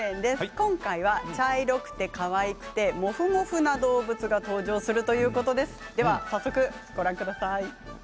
今回は茶色くてかわいくてもふもふな動物が登場するということです。